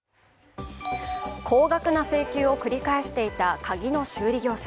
高額な請求を繰り返していた鍵の修理業者。